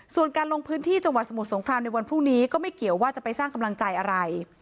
ส่วนการลงพื้นที่จังหวัดสมุทรสงครามในวันพรุ่งนี้ก็ไม่เกี่ยวว่าจะไปสร้างกำลังใจอะไร